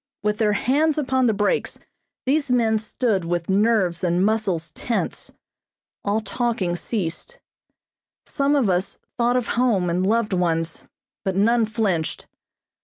With their hands upon the brakes these men stood with nerves and muscles tense. All talking ceased. Some of us thought of home and loved ones, but none flinched.